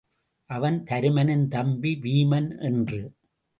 அவன் தருமனின் தம்பி வீமன் என்று.